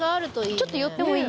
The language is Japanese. ちょっと寄ってもいい？